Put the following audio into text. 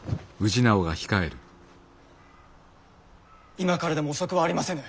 今からでも遅くはありませぬ。